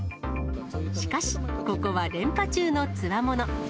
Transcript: しかし、ここは連覇中のつわもの。